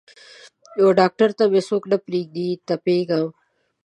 وډاکتر ته مې څوک نه پریږدي تپیږم